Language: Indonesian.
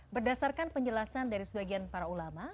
berdasarkan penjelasan dari sebagian para ulama